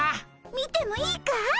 見てもいいかい？